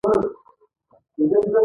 د ازبکي ژبې ورځ ده.